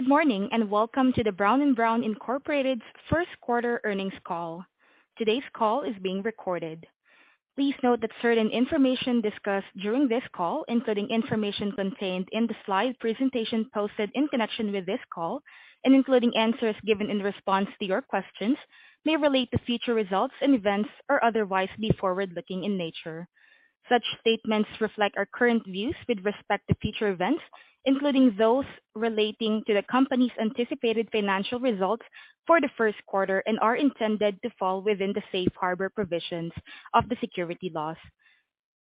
Good morning. Welcome to the Brown & Brown Incorporated's first quarter earnings call. Today's call is being recorded. Please note that certain information discussed during this call, including information contained in the slide presentation posted in connection with this call and including answers given in response to your questions, may relate to future results and events or otherwise be forward-looking in nature. Such statements reflect our current views with respect to future events, including those relating to the company's anticipated financial results for the first quarter, and are intended to fall within the safe harbor provisions of the Securities laws.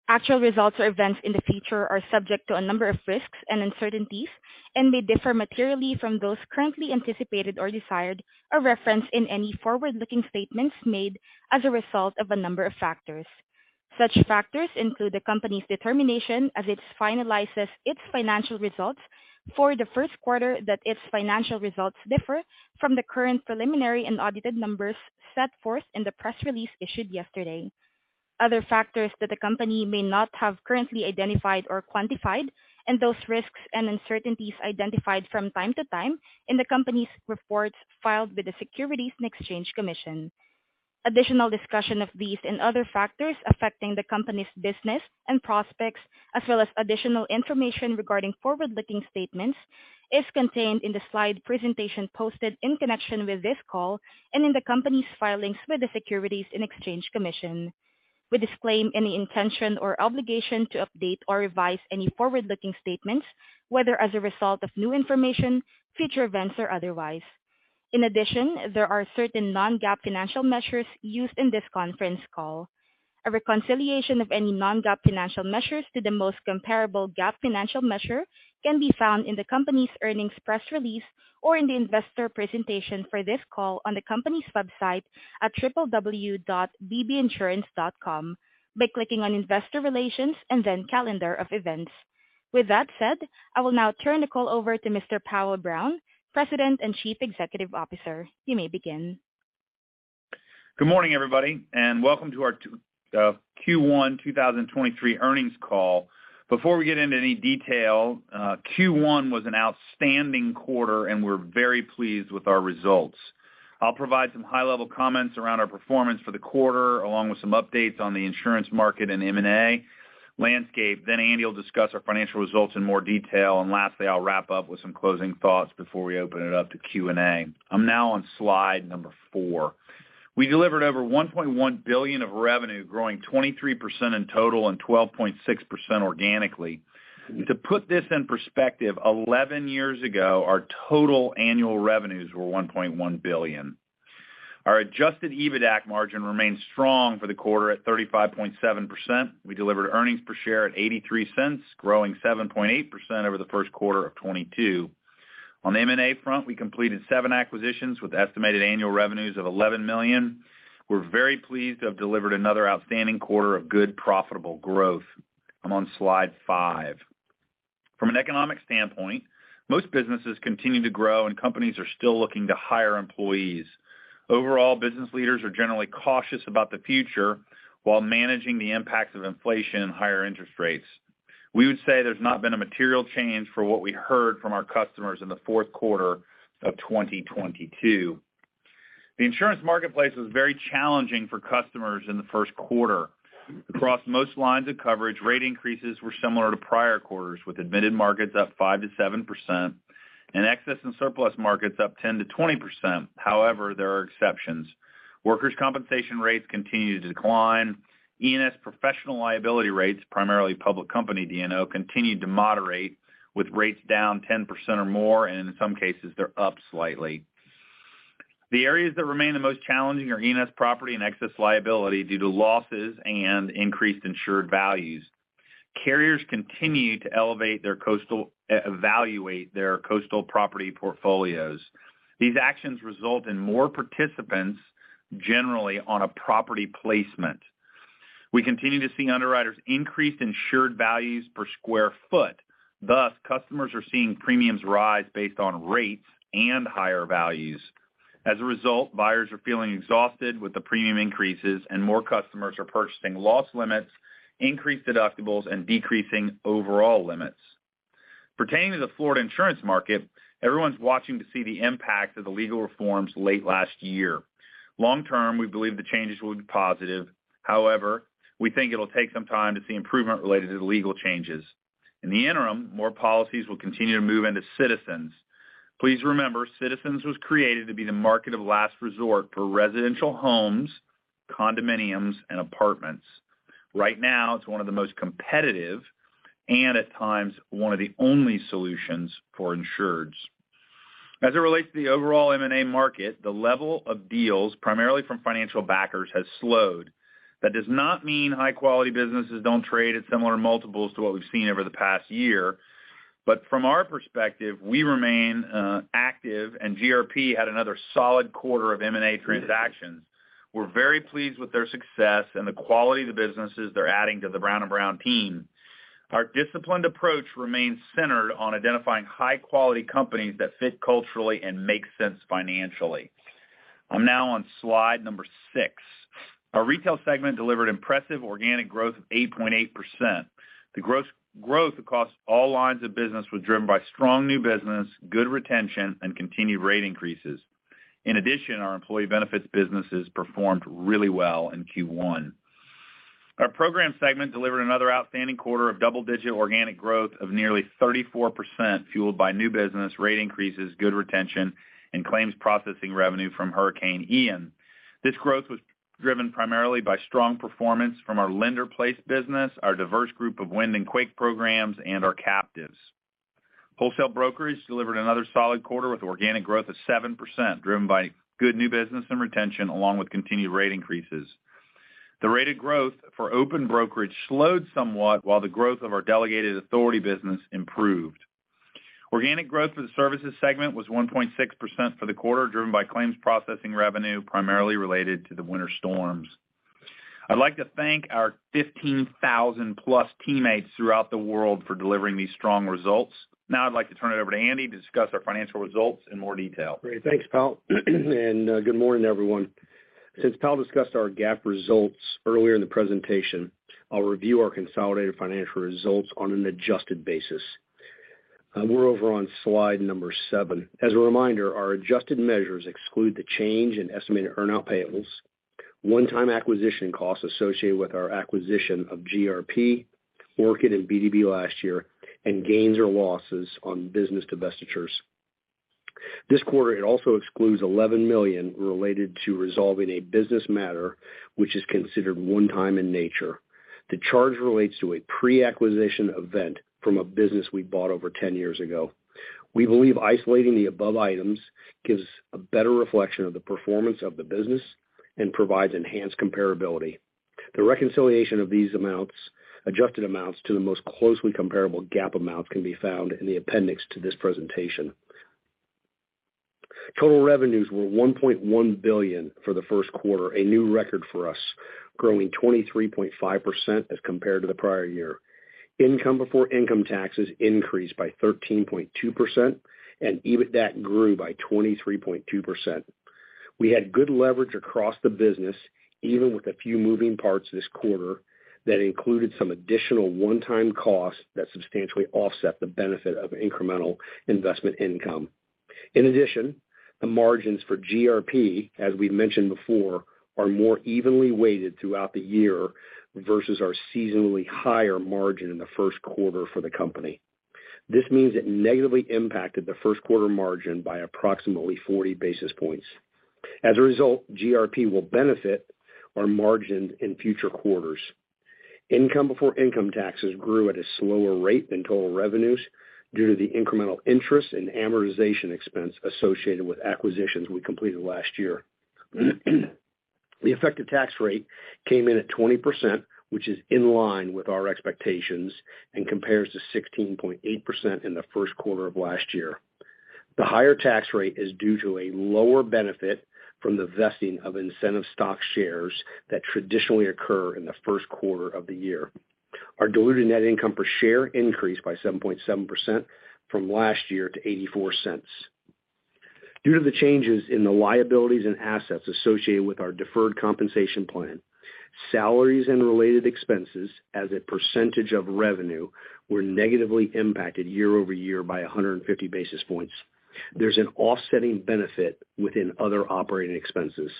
Actual results or events in the future are subject to a number of risks and uncertainties, and may differ materially from those currently anticipated or desired or referenced in any forward-looking statements made as a result of a number of factors. Such factors include the company's determination as it finalizes its financial results for the first quarter that its financial results differ from the current preliminary and audited numbers set forth in the press release issued yesterday. Other factors that the company may not have currently identified or quantified, and those risks and uncertainties identified from time to time in the company's reports filed with the Securities and Exchange Commission. Additional discussion of these and other factors affecting the company's business and prospects, as well as additional information regarding forward-looking statements, is contained in the slide presentation posted in connection with this call and in the company's filings with the Securities and Exchange Commission. We disclaim any intention or obligation to update or revise any forward-looking statements, whether as a result of new information, future events, or otherwise. There are certain non-GAAP financial measures used in this conference call. A reconciliation of any non-GAAP financial measures to the most comparable GAAP financial measure can be found in the company's earnings press release or in the investor presentation for this call on the company's website at www.bbinsurance.com by clicking on Investor Relations and then Calendar of Events. With that said, I will now turn the call over to Mr. Powell Brown, President and Chief Executive Officer. You may begin. Good morning, everybody, and welcome to our Q1 2023 earnings call. Before we get into any detail, Q1 was an outstanding quarter, and we're very pleased with our results. I'll provide some high-level comments around our performance for the quarter, along with some updates on the insurance market and M&A landscape. Andy will discuss our financial results in more detail. Lastly, I'll wrap up with some closing thoughts before we open it up to Q&A. I'm now on slide number four. We delivered over $1.1 billion of revenue, growing 23% in total and 12.6% organically. To put this in perspective, 11 years ago, our total annual revenues were $1.1 billion. Our Adjusted EBITDA margin remains strong for the quarter at 35.7%. We delivered earnings per share at $0.83, growing 7.8% over the first quarter of 2022. On the M&A front, we completed seven acquisitions with estimated annual revenues of $11 million. We're very pleased to have delivered another outstanding quarter of good, profitable growth. I'm on slide five. From an economic standpoint, most businesses continue to grow, and companies are still looking to hire employees. Overall, business leaders are generally cautious about the future while managing the impacts of inflation and higher interest rates. We would say there's not been a material change for what we heard from our customers in the fourth quarter of 2022. The insurance marketplace was very challenging for customers in the first quarter. Across most lines of coverage, rate increases were similar to prior quarters, with admitted markets up 5%-7% and Excess and Surplus markets up 10%-20%. However, there are exceptions. Workers' compensation rates continue to decline. E&S professional liability rates, primarily public company D&O, continued to moderate, with rates down 10% or more, and in some cases, they're up slightly. The areas that remain the most challenging are E&S property and excess liability due to losses and increased insured values. Carriers continue to e-evaluate their coastal property portfolios. These actions result in more participants generally on a property placement. We continue to see underwriters increase insured values per square foot, thus, customers are seeing premiums rise based on rates and higher values. Buyers are feeling exhausted with the premium increases, and more customers are purchasing loss limits, increased deductibles, and decreasing overall limits. Pertaining to the Florida insurance market, everyone's watching to see the impact of the legal reforms late last year. Long term, we believe the changes will be positive. We think it'll take some time to see improvement related to the legal changes. In the interim, more policies will continue to move into Citizens. Please remember, Citizens was created to be the market of last resort for residential homes, condominiums, and apartments. Right now, it's one of the most competitive and at times one of the only solutions for insureds. As it relates to the overall M&A market, the level of deals, primarily from financial backers, has slowed. That does not mean high-quality businesses don't trade at similar multiples to what we've seen over the past year. From our perspective, we remain active, and GRP had another solid quarter of M&A transactions. We're very pleased with their success and the quality of the businesses they're adding to the Brown & Brown team. Our disciplined approach remains centered on identifying high-quality companies that fit culturally and make sense financially. I'm now on slide number six. Our retail segment delivered impressive organic growth of 8.8%. The gross growth across all lines of business was driven by strong new business, good retention, and continued rate increases. In addition, our employee benefits businesses performed really well in Q1. Our program segment delivered another outstanding quarter of double-digit organic growth of nearly 34%, fueled by new business, rate increases, good retention, and claims processing revenue from Hurricane Ian. This growth was driven primarily by strong performance from our lender-placed business, our diverse group of wind and quake programs, and our captives. Wholesale brokerage delivered another solid quarter with organic growth of 7%, driven by good new business and retention along with continued rate increases. The rate of growth for open brokerage slowed somewhat, while the growth of our delegated authority business improved. Organic growth for the Services segment was 1.6% for the quarter, driven by claims processing revenue primarily related to the winter storms. I'd like to thank our 15,000+ teammates throughout the world for delivering these strong results. I'd like to turn it over to Andy to discuss our financial results in more detail. Great. Thanks, Powell. Good morning, everyone. Since Powell discussed our GAAP results earlier in the presentation, I'll review our consolidated financial results on an adjusted basis. We're over on slide number seven. As a reminder, our adjusted measures exclude the change in estimated earn-out payables, one-time acquisition costs associated with our acquisition of GRP, Orchid, and BdB last year, and gains or losses on business divestitures. This quarter, it also excludes $11 million related to resolving a business matter, which is considered one-time in nature. The charge relates to a pre-acquisition event from a business we bought over 10 years ago. We believe isolating the above items gives a better reflection of the performance of the business and provides enhanced comparability. The reconciliation of these amounts, adjusted amounts to the most closely comparable GAAP amounts can be found in the appendix to this presentation. Total revenues were $1.1 billion for the first quarter, a new record for us, growing 23.5% as compared to the prior year. Income before income taxes increased by 13.2%. EBITDA grew by 23.2%. We had good leverage across the business, even with a few moving parts this quarter that included some additional one-time costs that substantially offset the benefit of incremental investment income. The margins for GRP, as we've mentioned before, are more evenly weighted throughout the year versus our seasonally higher margin in the first quarter for the company. This means it negatively impacted the first quarter margin by approximately 40 basis points. GRP will benefit our margin in future quarters. Income before income taxes grew at a slower rate than total revenues due to the incremental interest and amortization expense associated with acquisitions we completed last year. The effective tax rate came in at 20%, which is in line with our expectations and compares to 16.8% in the first quarter of last year. The higher tax rate is due to a lower benefit from the vesting of incentive stock shares that traditionally occur in the first quarter of the year. Our diluted net income per share increased by 7.7% from last year to $0.84. Due to the changes in the liabilities and assets associated with our deferred compensation plan, salaries and related expenses as a percentage of revenue were negatively impacted year-over-year by 150 basis points. There's an offsetting benefit within other operating expenses.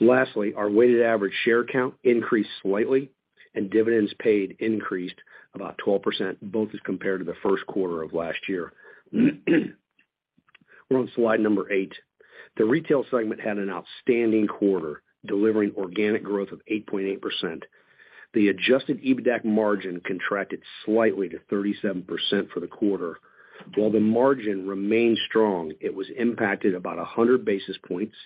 Lastly, our weighted average share count increased slightly and dividends paid increased about 12%, both as compared to the first quarter of last year. We're on slide number eight. The retail segment had an outstanding quarter, delivering organic growth of 8.8%. The Adjusted EBITDA margin contracted slightly to 37% for the quarter. While the margin remained strong, it was impacted about 100 basis points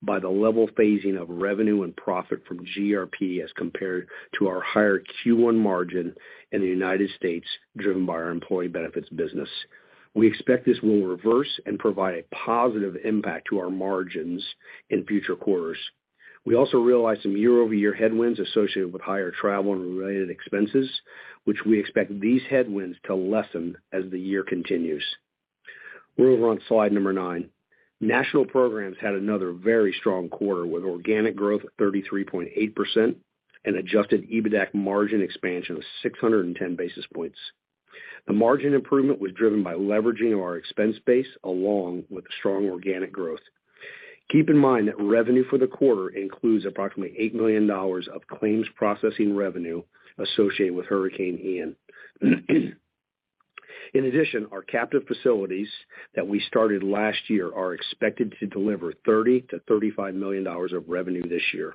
by the level phasing of revenue and profit from GRP as compared to our higher Q1 margin in the United States, driven by our employee benefits business. We expect this will reverse and provide a positive impact to our margins in future quarters. We also realized some year-over-year headwinds associated with higher travel and related expenses, which we expect these headwinds to lessen as the year continues. We're over on slide number nine. National Programs had another very strong quarter with organic growth of 33.8% and Adjusted EBITDA margin expansion of 610 basis points. The margin improvement was driven by leveraging of our expense base along with strong organic growth. Keep in mind that revenue for the quarter includes approximately $8 million of claims processing revenue associated with Hurricane Ian. In addition, our captive facilities that we started last year are expected to deliver $30 million-$35 million of revenue this year.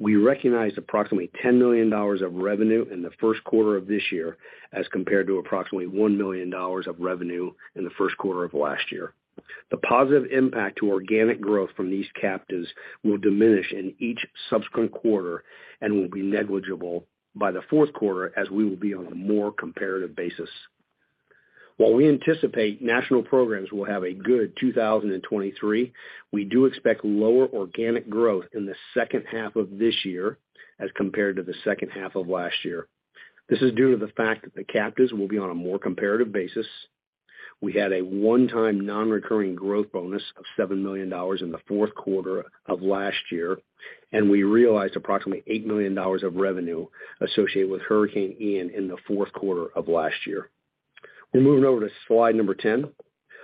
We recognized approximately $10 million of revenue in the first quarter of this year as compared to approximately $1 million of revenue in the first quarter of last year. The positive impact to organic growth from these captives will diminish in each subsequent quarter and will be negligible by the fourth quarter as we will be on a more comparative basis. While we anticipate National Programs will have a good 2023, we do expect lower organic growth in the second half of this year as compared to the second half of last year. This is due to the fact that the captives will be on a more comparative basis. We had a one-time nonrecurring growth bonus of $7 million in the fourth quarter of last year. We realized approximately $8 million of revenue associated with Hurricane Ian in the fourth quarter of last year. We're moving over to slide number 10.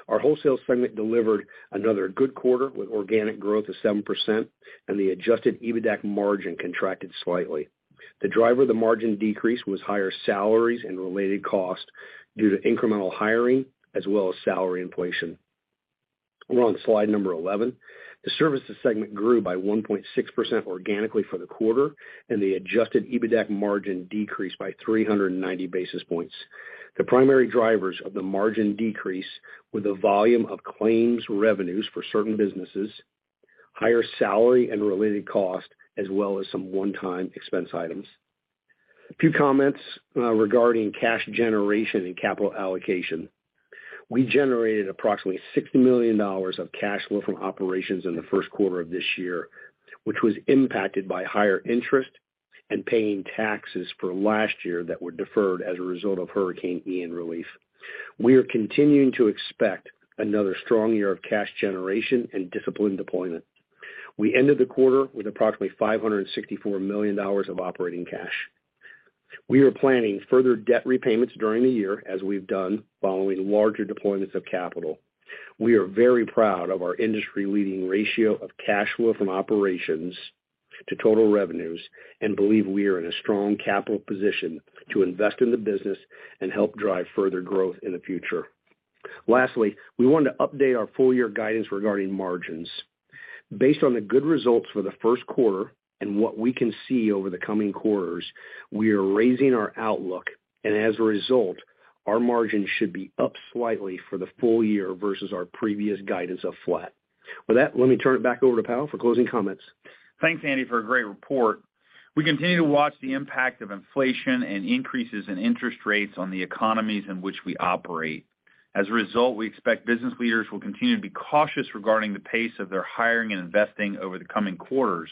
Our wholesale segment delivered another good quarter with organic growth of 7% and the Adjusted EBITDA margin contracted slightly. The driver of the margin decrease was higher salaries and related costs due to incremental hiring as well as salary inflation. We're on slide number 11. The Services segment grew by 1.6% organically for the quarter, and the Adjusted EBITDA margin decreased by 390 basis points. The primary drivers of the margin decrease were the volume of claims revenues for certain businesses, higher salary and related cost, as well as some one-time expense items. A few comments regarding cash generation and capital allocation. We generated approximately $60 million of cash flow from operations in the first quarter of this year, which was impacted by higher interest and paying taxes for last year that were deferred as a result of Hurricane Ian relief. We are continuing to expect another strong year of cash generation and disciplined deployment. We ended the quarter with approximately $564 million of operating cash. We are planning further debt repayments during the year as we've done following larger deployments of capital. We are very proud of our industry-leading ratio of cash flow from operations to total revenues, and believe we are in a strong capital position to invest in the business and help drive further growth in the future. Lastly, we want to update our full year guidance regarding margins. Based on the good results for the first quarter and what we can see over the coming quarters, we are raising our outlook. As a result, our margins should be up slightly for the full year versus our previous guidance of flat. With that, let me turn it back over to Powell for closing comments. Thanks, Andy, for a great report. We continue to watch the impact of inflation and increases in interest rates on the economies in which we operate. We expect business leaders will continue to be cautious regarding the pace of their hiring and investing over the coming quarters.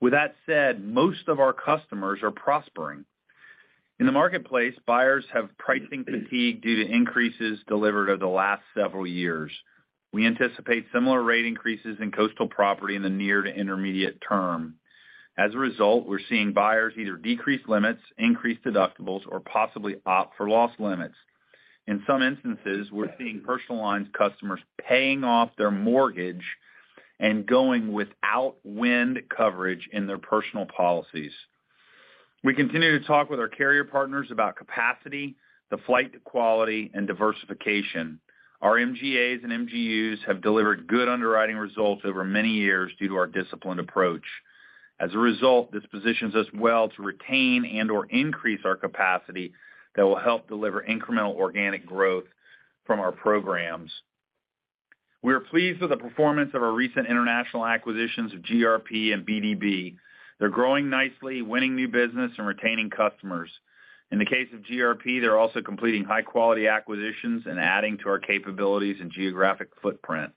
With that said, most of our customers are prospering. In the marketplace, buyers have pricing fatigue due to increases delivered over the last several years. We anticipate similar rate increases in coastal property in the near to intermediate term. We're seeing buyers either decrease limits, increase deductibles, or possibly opt for loss limits. In some instances, we're seeing personal lines customers paying off their mortgage and going without wind coverage in their personal policies. We continue to talk with our carrier partners about capacity, the flight to quality, and diversification. Our MGAs and MGUs have delivered good underwriting results over many years due to our disciplined approach. This positions us well to retain and/or increase our capacity that will help deliver incremental organic growth from our programs. We are pleased with the performance of our recent international acquisitions of GRP and BdB. They're growing nicely, winning new business and retaining customers. In the case of GRP, they're also completing high-quality acquisitions and adding to our capabilities and geographic footprint.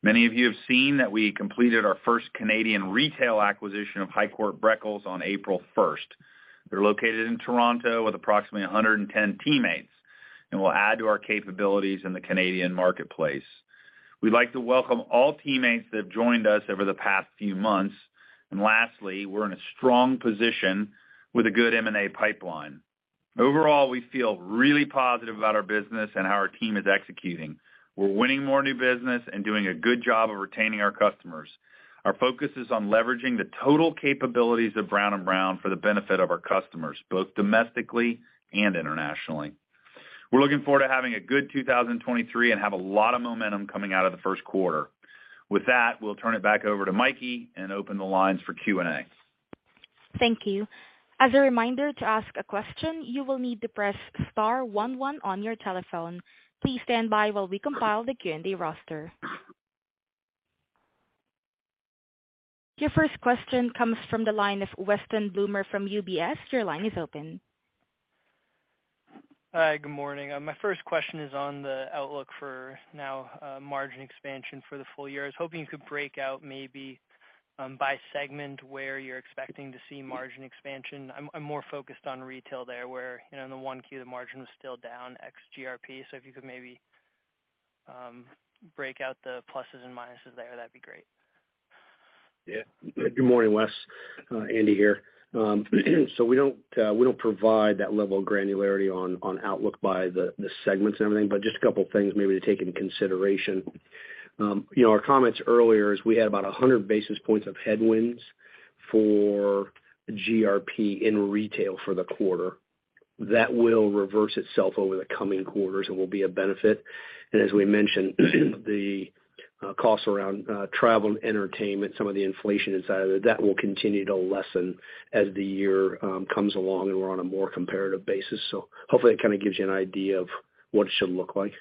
Many of you have seen that we completed our first Canadian retail acquisition of Highcourt Breckles on April first. They're located in Toronto with approximately 110 teammates, and will add to our capabilities in the Canadian marketplace. We'd like to welcome all teammates that have joined us over the past few months. Lastly, we're in a strong position with a good M&A pipeline. Overall, we feel really positive about our business and how our team is executing. We're winning more new business and doing a good job of retaining our customers. Our focus is on leveraging the total capabilities of Brown & Brown for the benefit of our customers, both domestically and internationally. We're looking forward to having a good 2023 and have a lot of momentum coming out of the first quarter. With that, we'll turn it back over to Mikey and open the lines for Q&A. Thank you. As a reminder to ask a question, you will need to press star one one on your telephone. Please stand by while we compile the Q&A roster. Your first question comes from the line of Weston Bloomer from UBS. Your line is open. Hi. Good morning. My first question is on the outlook for now, margin expansion for the full year. I was hoping you could break out maybe, by segment where you're expecting to see margin expansion. I'm more focused on retail there, where, you know, in the 1Q, the margin was still down XGRP. If you could maybe, break out the pluses and minuses there, that'd be great. Yeah. Good morning, Wes. Andy here. We don't, we don't provide that level of granularity on outlook by the segments and everything, but just a couple of things maybe to take into consideration. You know, our comments earlier is we had about 100 basis points of headwinds for GRP in retail for the quarter. That will reverse itself over the coming quarters and will be a benefit. As we mentioned, the costs around travel and entertainment, some of the inflation inside of it, that will continue to lessen as the year comes along, and we're on a more comparative basis. Hopefully that kind of gives you an idea of what it should look like.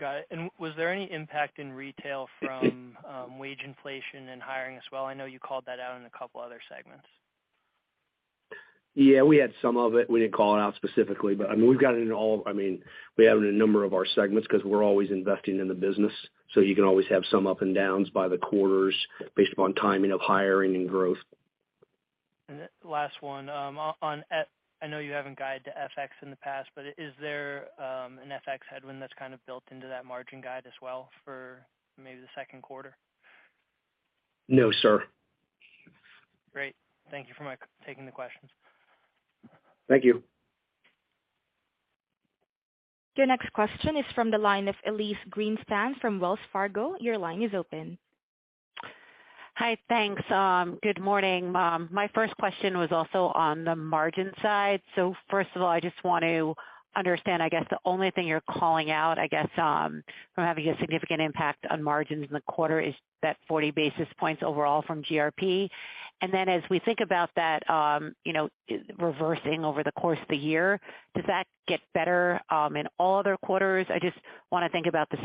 Got it. Was there any impact in retail from wage inflation and hiring as well? I know you called that out in a couple of other segments. We had some of it. We didn't call it out specifically, but I mean, we have it in a number of our segments because we're always investing in the business. You can always have some up and downs by the quarters based upon timing of hiring and growth. Last one, on FX. I know you haven't guided to FX in the past, but is there an FX headwind that's kind of built into that margin guide as well for maybe the second quarter? No, sir. Great. Thank you for taking the questions. Thank you. Your next question is from the line of Elyse Greenspan from Wells Fargo. Your line is open. Hi. Thanks. Good morning. My first question was also on the margin side. First of all, I just want to understand, I guess the only thing you're calling out, I guess, from having a significant impact on margins in the quarter is that 40 basis points overall from GRP. As we think about that, you know, reversing over the course of the year, does that get better in all other quarters? I just wanna think about the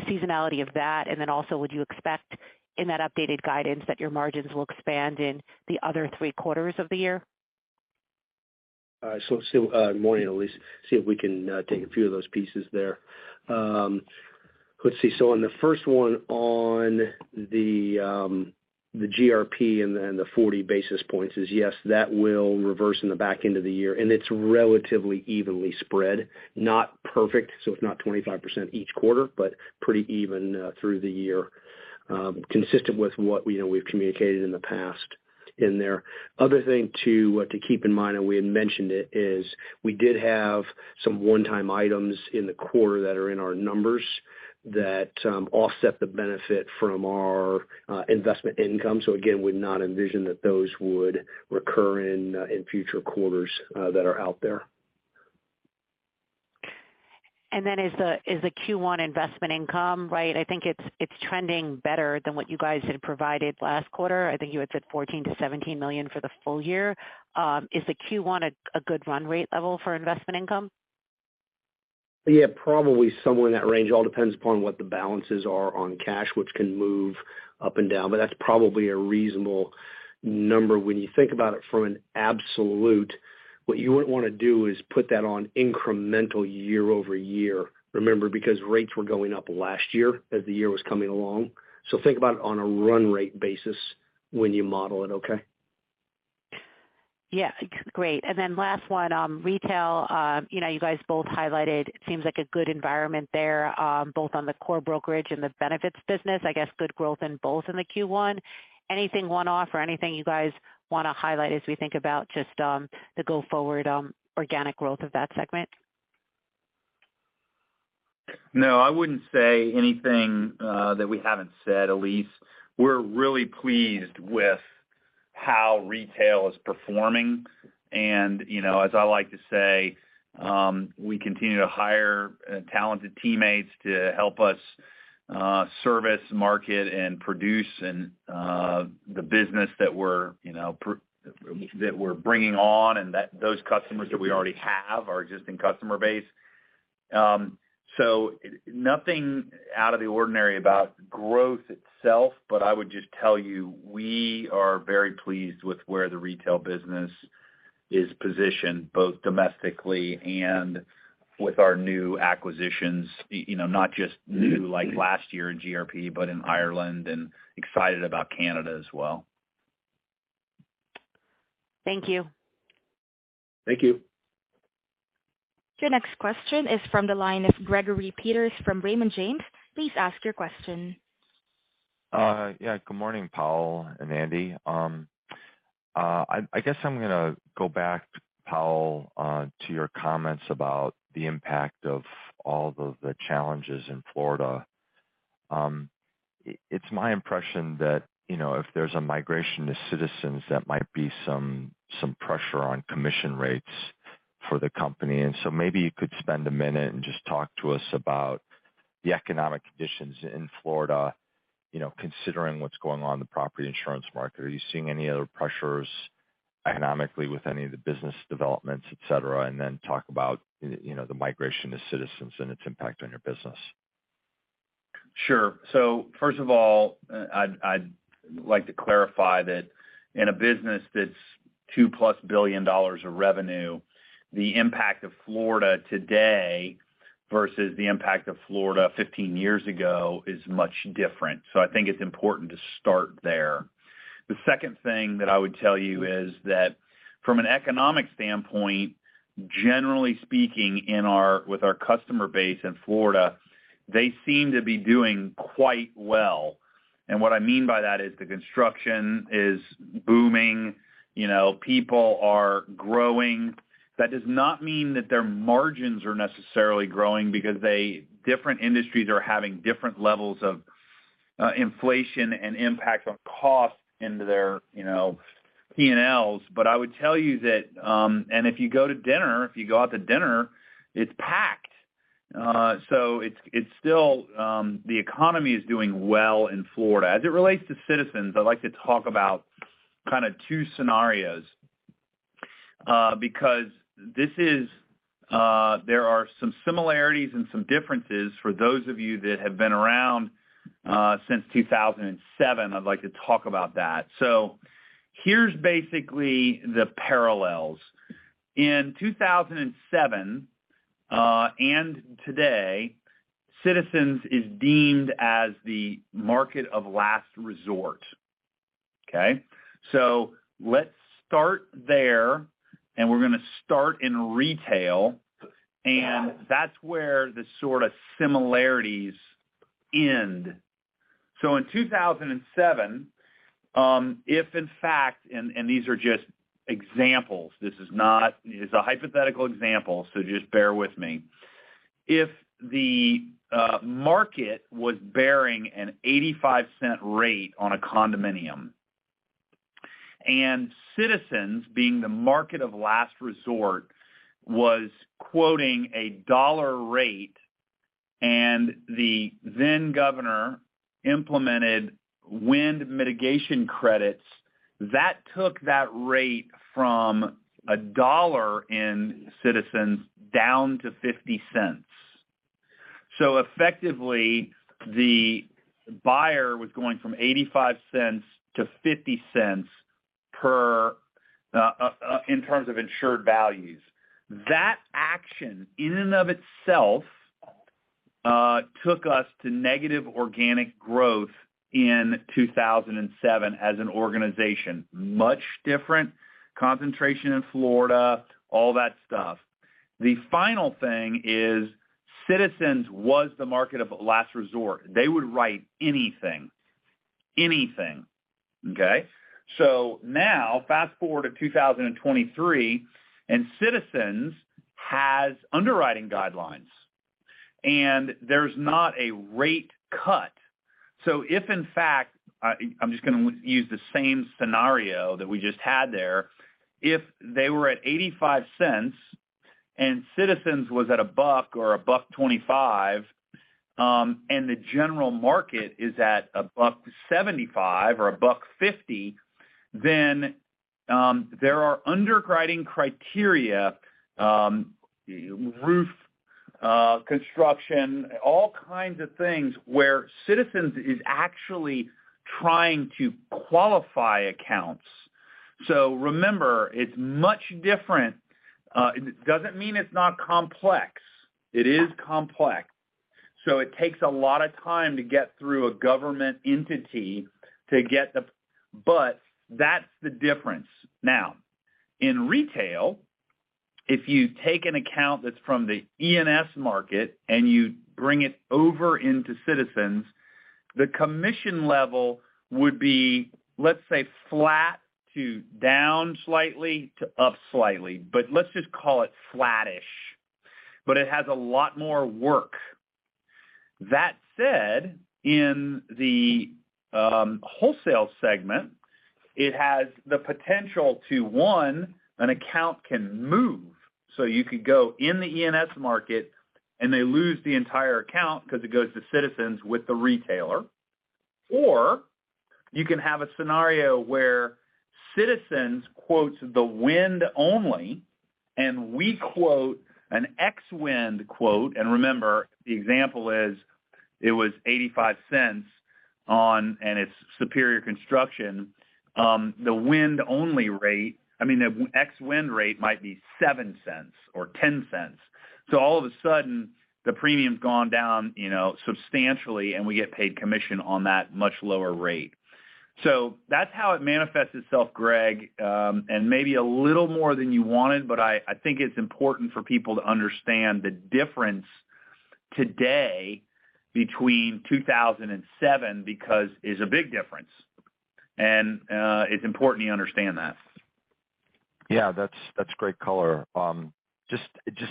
seasonality of that. Also, would you expect in that updated guidance that your margins will expand in the other three quarters of the year? Morning, Elyse. See if we can take a few of those pieces there. Let's see. On the first one on the GRP and the 40 basis points is yes, that will reverse in the back end of the year, and it's relatively evenly spread. Not perfect. It's not 25% each quarter, but pretty even through the year, consistent with what, you know, we've communicated in the past in there. Other thing to keep in mind, and we had mentioned it, is we did have some one-time items in the quarter that are in our numbers that offset the benefit from our investment income. Again, we'd not envision that those would recur in future quarters that are out there. Is the Q1 investment income, right? I think it's trending better than what you guys had provided last quarter. I think you had said $14 million-$17 million for the full year. Is the Q1 a good run rate level for investment income? Probably somewhere in that range. All depends upon what the balances are on cash, which can move up and down, but that's probably a reasonable number. When you think about it from an absolute, what you wouldn't wanna do is put that on incremental year-over-year, remember, because rates were going up last year as the year was coming along. Think about it on a run rate basis when you model it. Okay? Yeah. Great. Last one, you know, retail, you guys both highlighted it seems like a good environment there, both on the core brokerage and the benefits business. I guess good growth in both in the Q1. Anything one-off or anything you guys wanna highlight as we think about just the go forward organic growth of that segment? No, I wouldn't say anything that we haven't said, Elyse. We're really pleased with how retail is performing. You know, as I like to say, we continue to hire talented teammates to help us service, market and produce and the business that we're, you know, that we're bringing on and that those customers that we already have, our existing customer base. Nothing out of the ordinary about growth itself, but I would just tell you we are very pleased with where the retail business is positioned, both domestically and with our new acquisitions, you know, not just new like last year in GRP, but in Ireland and excited about Canada as well. Thank you. Thank you. Your next question is from the line of Gregory Peters from Raymond James. Please ask your question. Yeah, good morning, Powell and Andy. I guess I'm going to go back, Powell, to your comments about the impact of all of the challenges in Florida. It's my impression that, you know, if there's a migration to Citizens Property Insurance Corporation that might be some pressure on commission rates for the company. So maybe you could spend a minute and just talk to us about the economic conditions in Florida, you know, considering what's going on in the property insurance market. Are you seeing any other pressures economically with any of the business developments, et cetera, and then talk about, you know, the migration to Citizens Property Insurance Corporation and its impact on your business? Sure. First of all, I'd like to clarify that in a business that's 2+ billion dollars of revenue, the impact of Florida today versus the impact of Florida 15 years ago is much different. I think it's important to start there. The second thing that I would tell you is that from an economic standpoint, generally speaking, with our customer base in Florida, they seem to be doing quite well. What I mean by that is the construction is booming, you know, people are growing. That does not mean that their margins are necessarily growing because different industries are having different levels of inflation and impact on costs into their, you know, P&Ls. I would tell you that, and if you go to dinner, if you go out to dinner, it's packed. It's still the economy is doing well in Florida. As it relates to Citizens, I'd like to talk about kind of two scenarios because this is there are some similarities and some differences for those of you that have been around since 2007. I'd like to talk about that. Here's basically the parallels. In 2007, and today Citizens is deemed as the market of last resort. Okay? Let's start there, and we're gonna start in retail, and that's where the sorta similarities end. In 2007, if in fact, and these are just examples, this is not it's a hypothetical example, so just bear with me. If the market was bearing an $0.85 rate on a condominium, and Citizens, being the market of last resort, was quoting a $1 rate, and the then-governor implemented wind mitigation credits, that took that rate from a $1 in Citizens down to $0.50. Effectively, the buyer was going from $0.85 to $0.50 per in terms of insured values. That action, in and of itself, took us to negative organic growth in 2007 as an organization. Much different concentration in Florida, all that stuff. The final thing is Citizens was the market of last resort. They would write anything. Anything, okay? Now fast-forward to 2023, Citizens has underwriting guidelines. There's not a rate cut. If in fact, I'm just gonna use the same scenario that we just had there. They were at $0.85 and Citizens was at $1 or $1.25, and the general market is at $1.75 or $1.50, there are underwriting criteria, roof construction, all kinds of things where Citizens is actually trying to qualify accounts. Remember, it's much different, it doesn't mean it's not complex. It is complex. It takes a lot of time to get through a government entity to get the... That's the difference. In retail, if you take an account that's from the E&S market and you bring it over into Citizens, the commission level would be, let's say, flat to down slightly to up slightly. Let's just call it flattish, but it has a lot more work. That said, in the wholesale segment, it has the potential to, one, an account can move, so you could go in the E&S market, and they lose the entire account because it goes to Citizens with the retailer. You can have a scenario where Citizens quotes the wind only, and we quote an X wind quote. Remember, the example is it was $0.85 on... and it's superior construction, the wind-only rate, I mean, the X wind rate might be $0.07 or $0.10. All of a sudden, the premium's gone down, you know, substantially, and we get paid commission on that much lower rate. That's how it manifests itself, Greg, and maybe a little more than you wanted, but I think it's important for people to understand the difference today between 2007 because it's a big difference. It's important you understand that. Yeah, that's great color. Just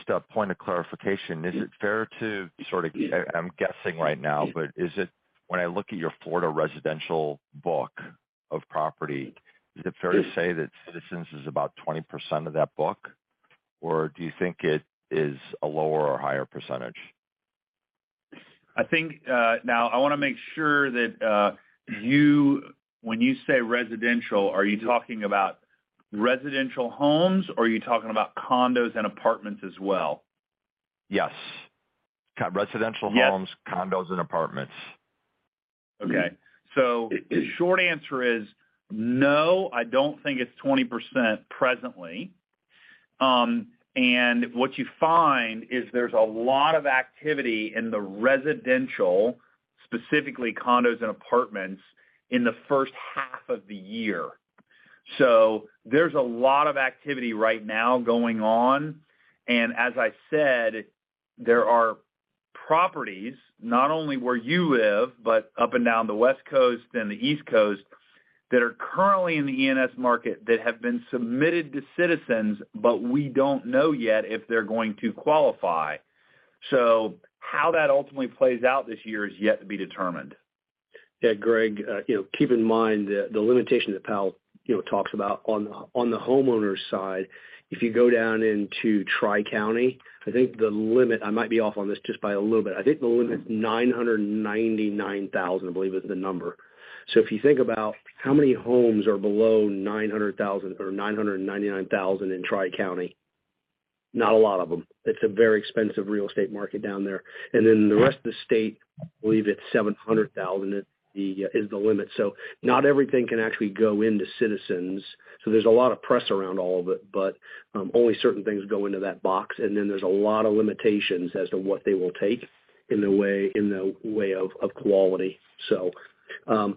a point of clarification. Is it fair to sort of I'm guessing right now, but is it when I look at your Florida residential book of property, is it fair to say that Citizens is about 20% of that book? Or do you think it is a lower or higher percentage? I think, now I wanna make sure that, you, when you say residential, are you talking about residential homes, or are you talking about condos and apartments as well? Yes. Okay. Residential homes and condos and apartments. Okay. Short answer is no, I don't think it's 20% presently. What you find is there's a lot of activity in the residential, specifically condos and apartments, in the first half of the year. There's a lot of activity right now going on. As I said, there are properties, not only where you live, but up and down the West Coast and the East Coast, that are currently in the E&S market that have been submitted to Citizens, but we don't know yet if they're going to qualify. How that ultimately plays out this year is yet to be determined. Yeah, Greg, you know, keep in mind the limitation that Powell, you know, talks about on the homeowner side. If you go down into Tri-County, I think the limit, I might be off on this just by a little bit. I think the limit's $999,000, I believe is the number. If you think about how many homes are below $900,000 or $999,000 in Tri-County, not a lot of them. It's a very expensive real estate market down there. The rest of the state I believe it's $700,000 at the is the limit. Not everything can actually go into Citizens. There's a lot of press around all of it, but only certain things go into that box, and then there's a lot of limitations as to what they will take in the way, in the way of quality. The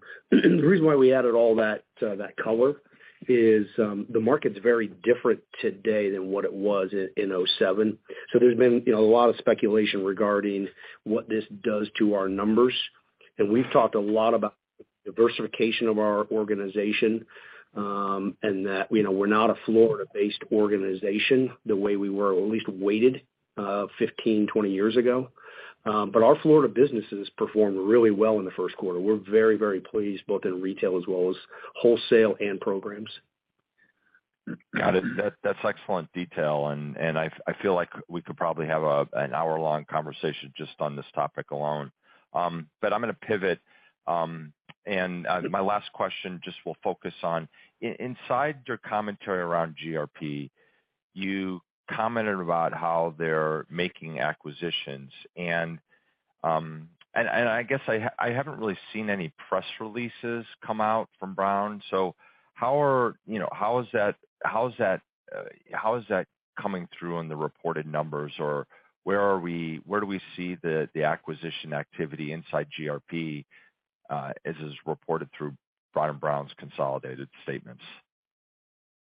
reason why we added all that that color is the market's very different today than what it was in 2007. There's been, you know, a lot of speculation regarding what this does to our numbers. We've talked a lot about diversification of our organization, and that, you know, we're not a Florida-based organization the way we were, or at least weighted, 15, 20 years ago. Our Florida businesses performed really well in the first quarter. We're very, very pleased, both in retail as well as wholesale and programs. Got it. That's excellent detail, and I feel like we could probably have an hour-long conversation just on this topic alone. I'm gonna pivot. My last question just will focus on inside your commentary around GRP, you commented about how they're making acquisitions. I guess I haven't really seen any press releases come out from Brown. How are... You know, how is that coming through in the reported numbers? Or where do we see the acquisition activity inside GRP as is reported through Brown & Brown's consolidated statements?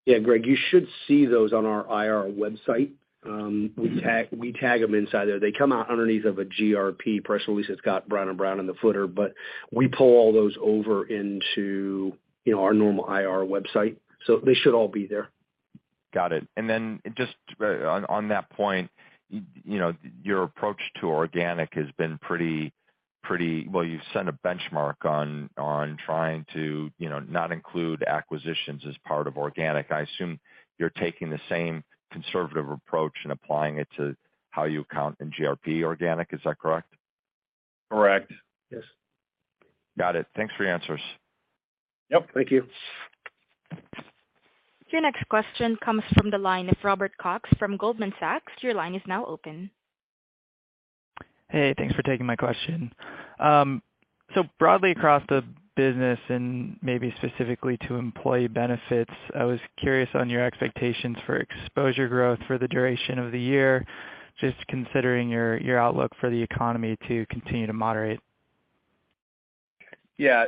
Yeah. Greg, you should see those on our IR website. We tag them inside there. They come out underneath of a GRP press release that's got Brown & Brown in the footer. We pull all those over into, you know, our normal IR website. They should all be there. Got it. Then just, on that point, you know, your approach to organic has been pretty. Well, you set a benchmark on trying to, you know, not include acquisitions as part of organic. I assume you're taking the same conservative approach and applying it to how you count in GRP organic. Is that correct? Correct. Yes. Got it. Thanks for your answers. Yep. Thank you. Your next question comes from the line of Robert Cox from Goldman Sachs. Your line is now open. Hey, thanks for taking my question. Broadly across the business and maybe specifically to employee benefits, I was curious on your expectations for exposure growth for the duration of the year, just considering your outlook for the economy to continue to moderate. Yeah.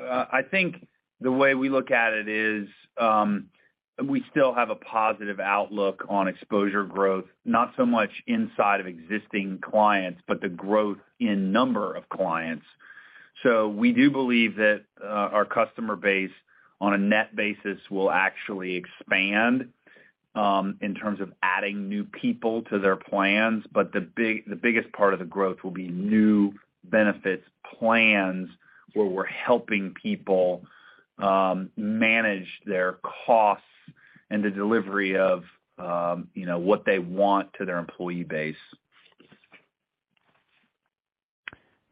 I think the way we look at it is, we still have a positive outlook on exposure growth, not so much inside of existing clients, but the growth in number of clients. We do believe that, our customer base, on a net basis, will actually expand, in terms of adding new people to their plans. The biggest part of the growth will be new benefits plans, where we're helping people, manage their costs and the delivery of, you know, what they want to their employee base.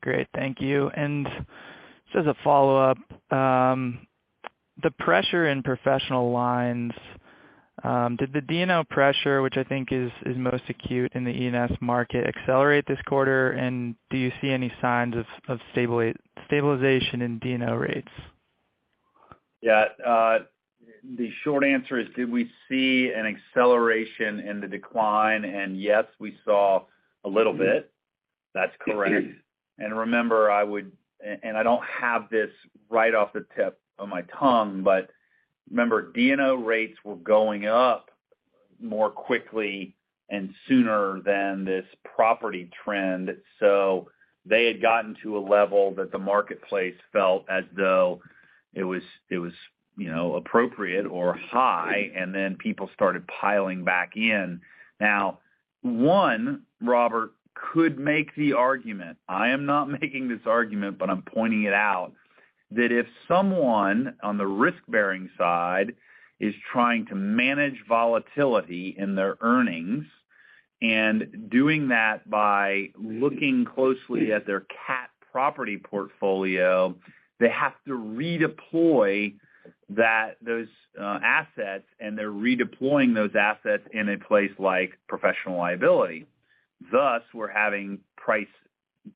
Great. Thank you. Just as a follow-up, the pressure in professional lines, did the D&O pressure, which I think is most acute in the E&S market, accelerate this quarter? Do you see any signs of stabilization in D&O rates? Yeah. The short answer is, did we see an acceleration in the decline? Yes, we saw a little bit. That's correct. Remember, I don't have this right off the tip of my tongue, but remember, D&O rates were going up more quickly and sooner than this property trend. They had gotten to a level that the marketplace felt as though it was, you know, appropriate or high, and then people started piling back in. One, Robert, could make the argument, I am not making this argument, but I'm pointing it out, that if someone on the risk-bearing side is trying to manage volatility in their earnings and doing that by looking closely at their cat property portfolio, they have to redeploy those assets. They're redeploying those assets in a place like professional liability. Thus, we're having price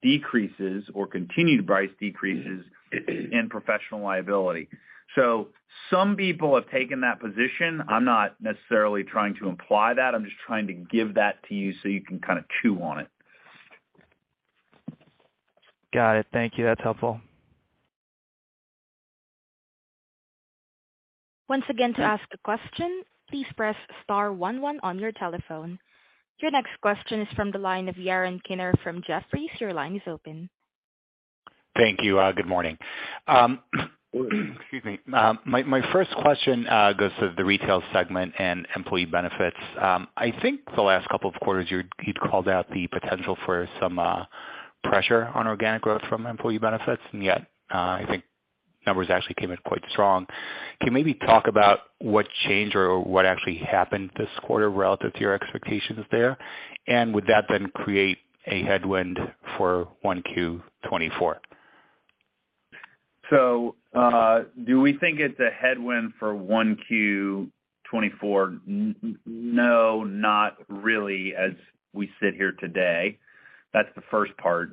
decreases or continued price decreases in professional liability. Some people have taken that position. I'm not necessarily trying to imply that. I'm just trying to give that to you so you can kind of chew on it. Got it. Thank you. That's helpful. Once again, to ask a question, please press star one one on your telephone. Your next question is from the line of Yaron Kinar from Jefferies. Your line is open. Thank you. Good morning. Excuse me. My first question goes to the retail segment and employee benefits. I think the last couple of quarters, you'd called out the potential for some pressure on organic growth from employee benefits, and yet, I think numbers actually came in quite strong. Can you maybe talk about what changed or what actually happened this quarter relative to your expectations there? Would that then create a headwind for 1Q 2024? Do we think it's a headwind for 1 Q 2024? No, not really as we sit here today. That's the first part.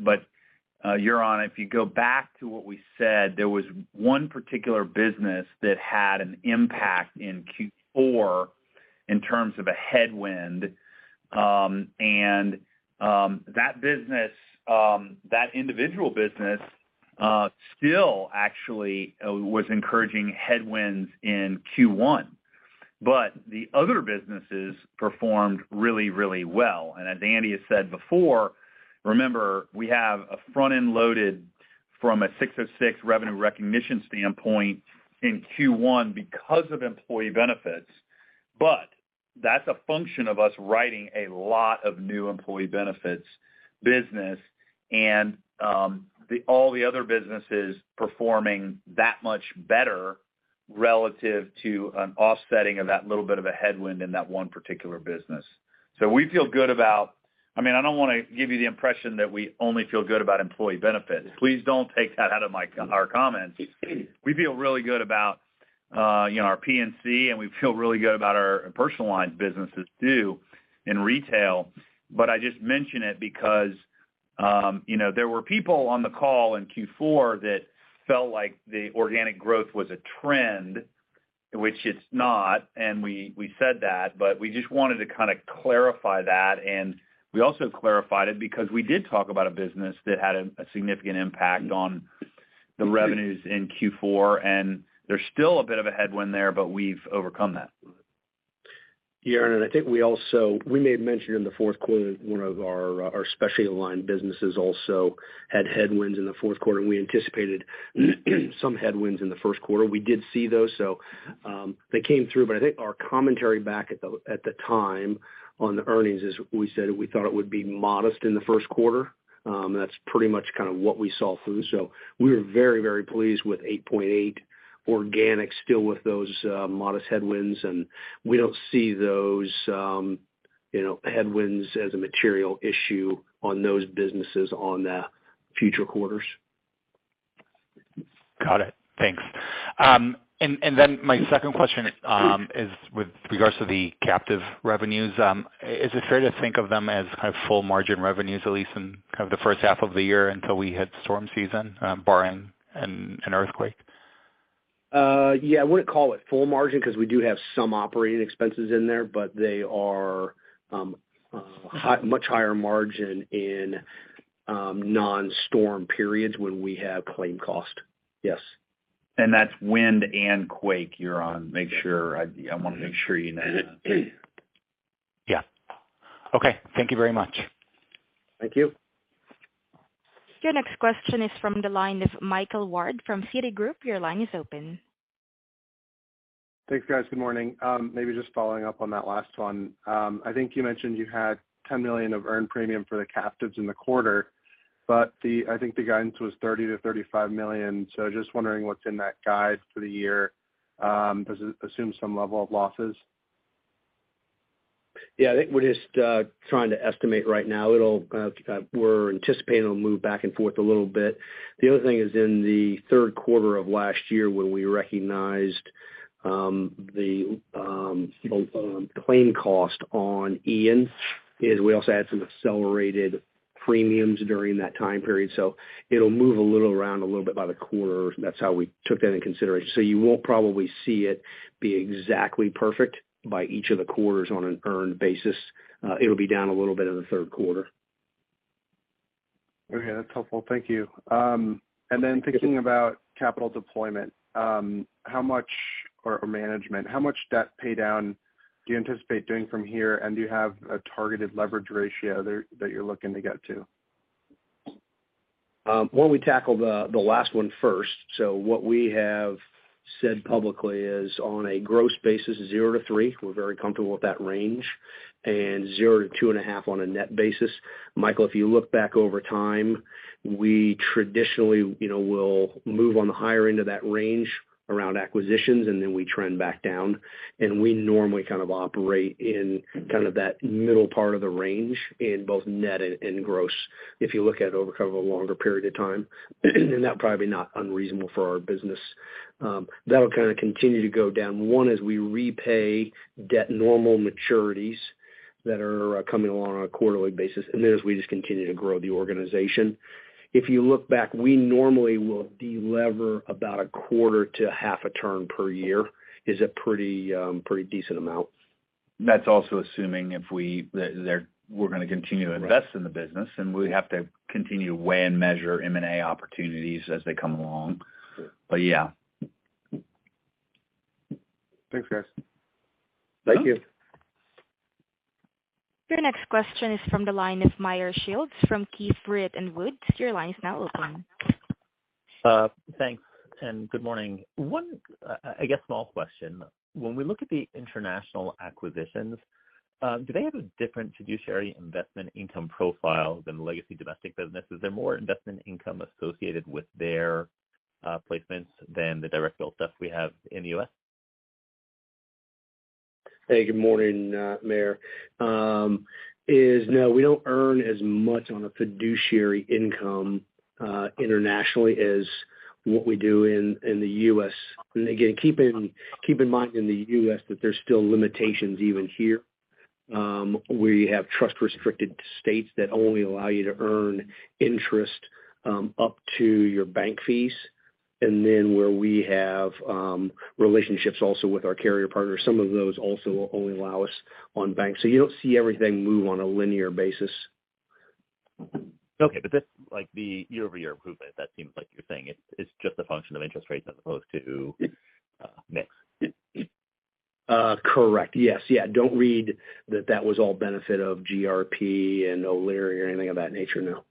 Yaron, if you go back to what we said, there was one particular business that had an impact in Q4 in terms of a headwind. That business, that individual business, still actually was encouraging headwinds in Q1. The other businesses performed really well. As Andy has said before, remember, we have a front-end loaded from an ASC 606 revenue recognition standpoint in Q1 because of employee benefits. That's a function of us writing a lot of new employee benefits business and all the other businesses performing that much better relative to an offsetting of that little bit of a headwind in that one particular business. We feel good about, I mean, I don't wanna give you the impression that we only feel good about employee benefits. Please don't take that out of our comments. Excuse me. We feel really good about, you know, our P&C, and we feel really good about our personalized businesses too, in retail. I just mention it because, you know, there were people on the call in Q4 that felt like the organic growth was a trend, which it's not, and we said that, but we just wanted to kind of clarify that, and we also clarified it because we did talk about a business that had a significant impact on the revenues in Q4, and there's still a bit of a headwind there, but we've overcome that. Yaron, I think we also made mention in the fourth quarter that one of our specialty line businesses also had headwinds in the fourth quarter, and we anticipated some headwinds in the first quarter. We did see those, so they came through. I think our commentary back at the time on the earnings is we said we thought it would be modest in the first quarter. That's pretty much kind of what we saw through. We were very, very pleased with 8.8% organic still with those modest headwinds, and we don't see those, you know, headwinds as a material issue on those businesses on the future quarters. Got it. Thanks. Then my second question is with regards to the captive revenues. Is it fair to think of them as kind of full margin revenues, at least in kind of the first half of the year until we hit storm season, barring an earthquake? Yeah. I wouldn't call it full margin 'cause we do have some operating expenses in there. They are much higher margin in non-storm periods when we have claim cost. Yes. That's wind and quake, Yaron. Make sure. I wanna make sure you know that. Yeah. Okay. Thank you very much. Thank you. Your next question is from the line of Michael Ward from Citigroup. Your line is open. Thanks, guys. Good morning. Maybe just following up on that last one. I think you mentioned you had $10 million of earned premium for the captives in the quarter. I think the guidance was $30 million-$35 million. Just wondering what's in that guide for the year. Does it assume some level of losses? Yeah. I think we're just trying to estimate right now. It'll, we're anticipating it'll move back and forth a little bit. The other thing is in the third quarter of last year when we recognized the claim cost on Hurricane Ian is we also had some accelerated premiums during that time period. It'll move around a little bit by the quarter. That's how we took that into consideration. You won't probably see it be exactly perfect by each of the quarters on an earned basis. It'll be down a little bit in the third quarter. Okay. That's helpful. Thank you. Then thinking about capital deployment, how much or management, how much debt pay down do you anticipate doing from here? Do you have a targeted leverage ratio that you're looking to get to? Why don't we tackle the last one first. What we have said publicly is on a gross basis, zero to three, we're very comfortable with that range, and zero to 2.5 on a net basis. Michael, if you look back over time, we traditionally, you know, will move on the higher end of that range around acquisitions, and then we trend back down. We normally kind of operate in kind of that middle part of the range in both net and gross, if you look at it over kind of a longer period of time, and that probably not unreasonable for our business. That'll kind of continue to go down, one, as we repay debt normal maturities that are coming along on a quarterly basis, and then as we just continue to grow the organization. If you look back, we normally will delever about a quarter to half a term per year is a pretty decent amount. That's also assuming we're gonna continue to invest in the business. We have to continue to weigh and measure M&A opportunities as they come along. Sure. Yeah. Thanks, guys. Thank you. Your next question is from the line of Meyer Shields from Keefe, Bruyette & Woods. Your line is now open. Thanks, and good morning. One, I guess small question. When we look at the international acquisitions, do they have a different fiduciary investment income profile than the legacy domestic businesses? Is there more investment income associated with their placements than the direct field stuff we have in the U.S.? Hey, good morning, Meyer. Is no, we don't earn as much on a fiduciary income internationally as what we do in the U.S. Again, keep in mind in the U.S. that there's still limitations even here. We have trust-restricted states that only allow you to earn interest up to your bank fees. Then where we have relationships also with our carrier partners, some of those also will only allow us on bank. You don't see everything move on a linear basis. Okay. just like the year-over-year improvement, that seems like you're saying it's just a function of interest rates as opposed to mix. Correct. Yes. Don't read that that was all benefit of GRP and O'Leary or anything of that nature, no.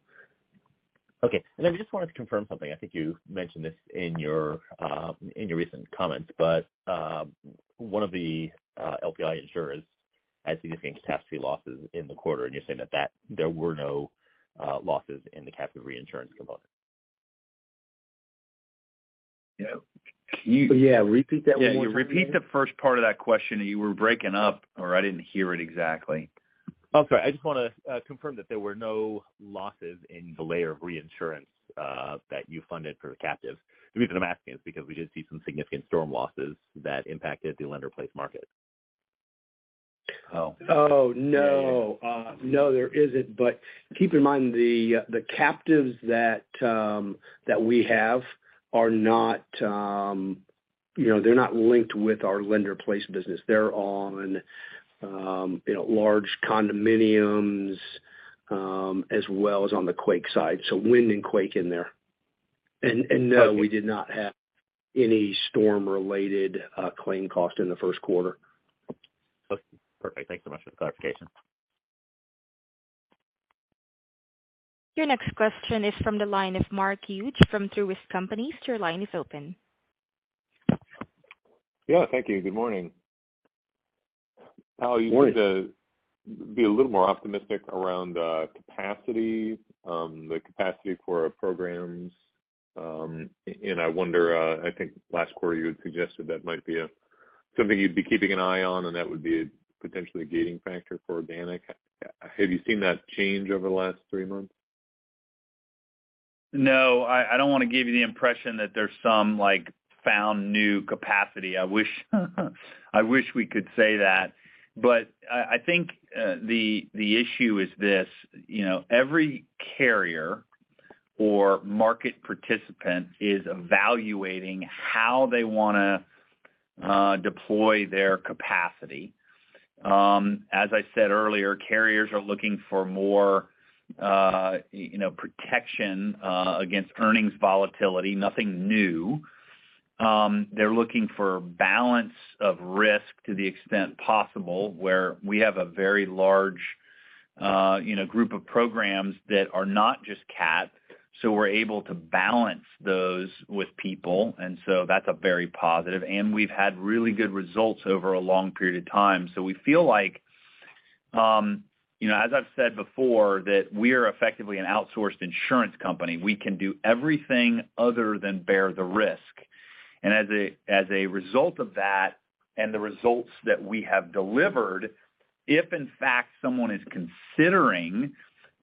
Okay. Then we just wanted to confirm something. I think you mentioned this in your in your recent comments, but one of the LPI insurers had significant catastrophe losses in the quarter, and you're saying that there were no losses in the captive reinsurance component? Yeah. Yeah. Repeat that one more time. Yeah. Can you repeat the first part of that question? You were breaking up or I didn't hear it exactly. I'm sorry. I just wanna confirm that there were no losses in the layer of reinsurance that you funded for the captive. The reason I'm asking is because we did see some significant storm losses that impacted the lender-placed market. Oh. Oh, no. No, there isn't. Keep in mind the captives that we have are not, you know, they're not linked with our lender-placed business. They're on, you know, large condominiums, as well as on the quake side. Wind and quake in there. No, we did not have any storm-related, claim cost in the first quarter. Okay. Perfect. Thank you so much for the clarification. Your next question is from the line of Mark Hughes from Truist Securities. Your line is open. Yeah, thank you. Good morning. Morning. You seem to be a little more optimistic around capacity, the capacity for our programs. I wonder, I think last quarter you had suggested that might be a something you'd be keeping an eye on, and that would be potentially a gating factor for organic. Have you seen that change over the last 3 months? No. I don't wanna give you the impression that there's some, like, found new capacity. I wish we could say that. I think the issue is this, you know, every carrier or market participant is evaluating how they wanna deploy their capacity. As I said earlier, carriers are looking for more, you know, protection against earnings volatility, nothing new. They're looking for balance of risk to the extent possible, where we have a very large, you know, group of programs that are not just cat, so we're able to balance those with people, and that's a very positive. We've had really good results over a long period of time. We feel like, you know, as I've said before, that we're effectively an outsourced insurance company. We can do everything other than bear the risk. As a result of that, and the results that we have delivered, if in fact someone is considering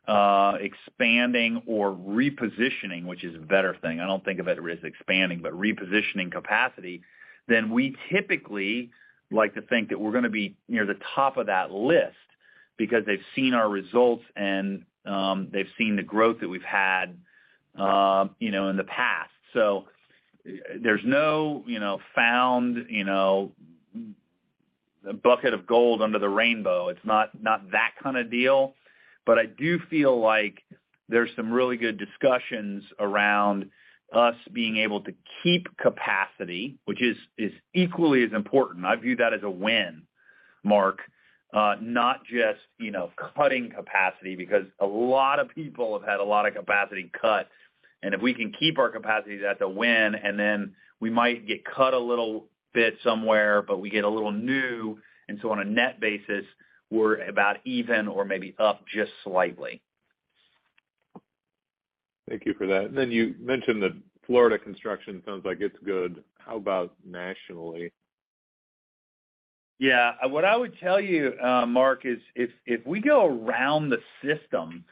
expanding or repositioning, which is a better thing, I don't think of it as expanding, but repositioning capacity, then we typically like to think that we're gonna be near the top of that list because they've seen our results and they've seen the growth that we've had, you know, in the past. There's no, you know, found, you know, a bucket of gold under the rainbow. It's not that kinda deal. I do feel like there's some really good discussions around us being able to keep capacity, which is equally as important. I view that as a win, Mark, not just, you know, cutting capacity because a lot of people have had a lot of capacity cut. If we can keep our capacities, that's a win, and then we might get cut a little bit somewhere, but we get a little new, and so on a net basis, we're about even or maybe up just slightly. Thank you for that. Then you mentioned that Florida construction sounds like it's good. How about nationally? Yeah. What I would tell you, Mark, is if we go around the system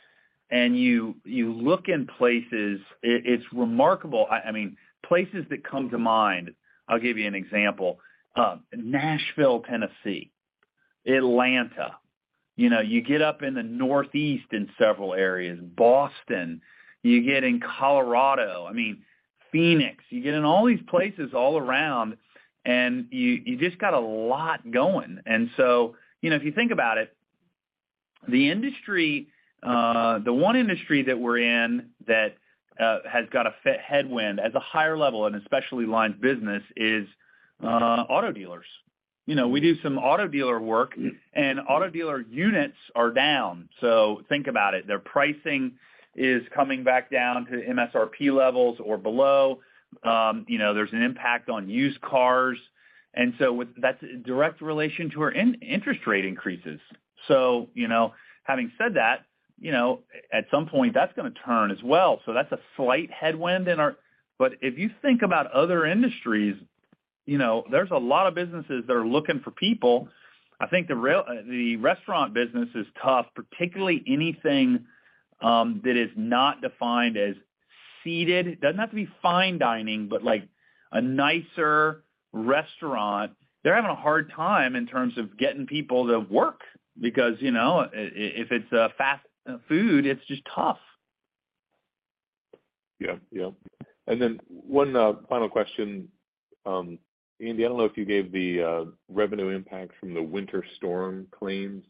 and you look in places, it's remarkable. I mean, places that come to mind, I'll give you an example. Nashville, Tennessee, Atlanta, you know, you get up in the northeast in several areas, Boston, you get in Colorado, I mean, Phoenix. You get in all these places all around and you just got a lot going. You know, if you think about it, the industry, the one industry that we're in that has got a headwind at the higher level and especially lines business is auto dealers. You know, we do some auto dealer work, and auto dealer units are down. Think about it. Their pricing is coming back down to MSRP levels or below. You know, there's an impact on used cars. That's a direct relation to our interest rate increases. You know, having said that, you know, at some point that's gonna turn as well. That's a slight headwind. If you think about other industries, you know, there's a lot of businesses that are looking for people. I think the restaurant business is tough, particularly anything that is not defined as seated. It doesn't have to be fine dining, but, like, a nicer restaurant. They're having a hard time in terms of getting people to work because, you know, if it's fast food, it's just tough. Yeah. Yeah. Then one final question. Andy, I don't know if you gave the revenue impact from the winter storm claims.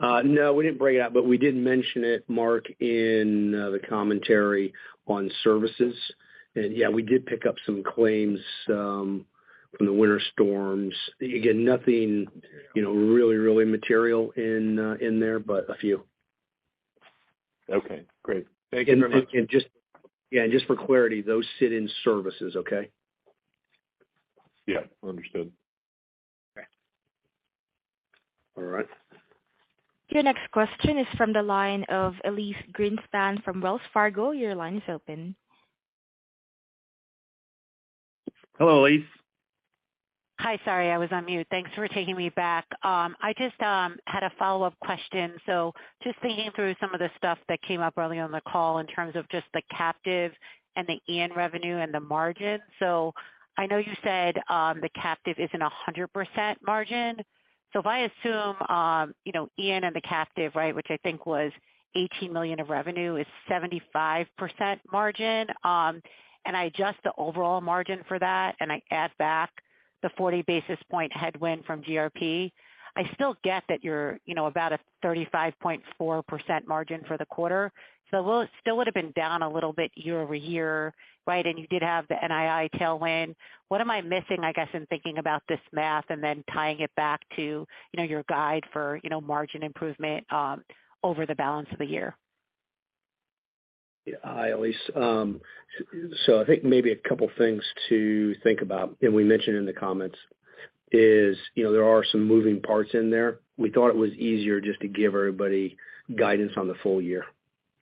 No, we didn't break it out, but we did mention it, Mark, in the commentary on services. Yeah, we did pick up some claims from the winter storms. Again, nothing, you know, really, really material in there, but a few. Okay, great. Thank you very much. Yeah, just for clarity, those sit in services, okay? Yeah. Understood. Okay. All right. Your next question is from the line of Elyse Greenspan from Wells Fargo. Your line is open. Hello, Elyse. Hi. Sorry, I was on mute. Thanks for taking me back. I just had a follow-up question. Just thinking through some of the stuff that came up early on the call in terms of just the captive and the E&S revenue and the margin. I know you said the captive isn't a 100% margin. If I assume, you know, E&S and the captive, right, which I think was $18 million of revenue is 75% margin, and I adjust the overall margin for that, and I add back the 40 basis point headwind from GRP, I still get that you're, you know, about a 35.4% margin for the quarter. Those still would have been down a little bit year-over-year, right? You did have the NII tailwind. What am I missing, I guess, in thinking about this math and then tying it back to, you know, your guide for, you know, margin improvement, over the balance of the year? Hi, Elyse. I think maybe a couple things to think about, and we mentioned in the comments is, you know, there are some moving parts in there. We thought it was easier just to give everybody guidance on the full year,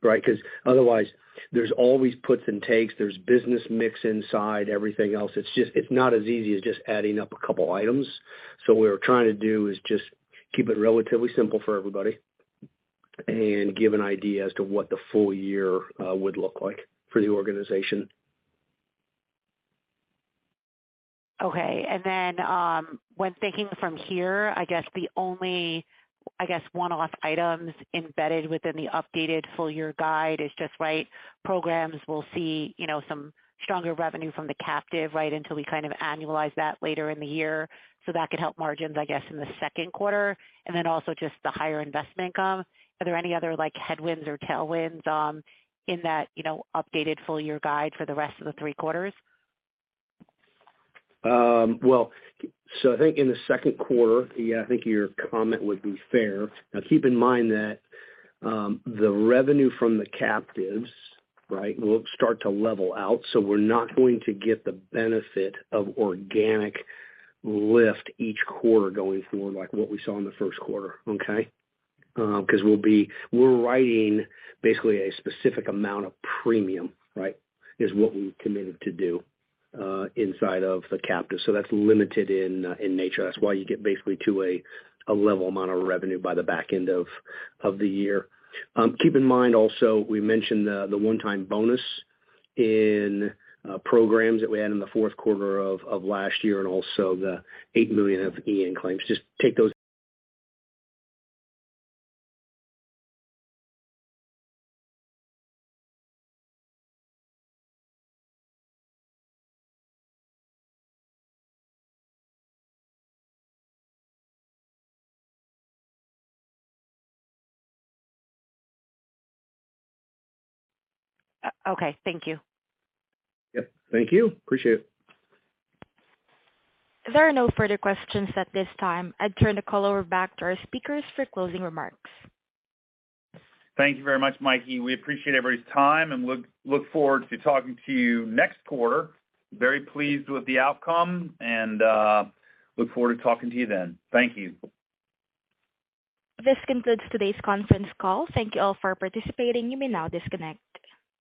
right? 'Cause otherwise, there's always puts and takes, there's business mix inside everything else. It's just, it's not as easy as just adding up a couple items. What we're trying to do is just keep it relatively simple for everybody and give an idea as to what the full year would look like for the organization. Okay. when thinking from here, I guess the only, I guess, one-off items embedded within the updated full year guide is just, right, programs will see, you know, some stronger revenue from the captive, right, until we kind of annualize that later in the year. That could help margins, I guess, in the second quarter. Also just the higher investment income. Are there any other, like, headwinds or tailwinds, in that, you know, updated full year guide for the rest of the three quarters? I think in the second quarter, yeah, I think your comment would be fair. Keep in mind that the revenue from the captives, right, will start to level out. We're not going to get the benefit of organic lift each quarter going forward like what we saw in the first quarter, okay? 'Cause we're writing basically a specific amount of premium, right, is what we committed to do inside of the captive. That's limited in nature. That's why you get basically to a level amount of revenue by the back end of the year. Keep in mind also, we mentioned the one-time bonus in programs that we had in the fourth quarter of last year and also the $8 million of E&S claims. Just take those. Okay. Thank you. Yeah. Thank you. Appreciate it. There are no further questions at this time. I turn the call over back to our speakers for closing remarks. Thank you very much, Mikey. We appreciate everybody's time, and look forward to talking to you next quarter. Very pleased with the outcome, and look forward to talking to you then. Thank you. This concludes today's conference call. Thank you all for participating. You may now disconnect.